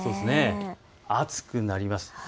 暑くなります。